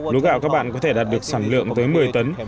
lúa gạo các bạn có thể đạt được sản lượng tới một mươi tấn